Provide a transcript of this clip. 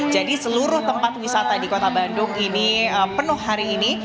jadi seluruh tempat wisata di kota bandung ini penuh hari ini